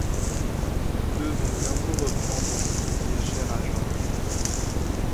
Tous deux vont bientôt reprendre tout ce qui est cher à George...